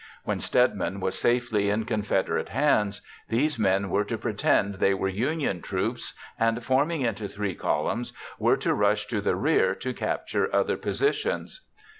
When Stedman was safely in Confederate hands, these men were to pretend they were Union troops and, forming into three columns, were to rush to the rear to capture other positions.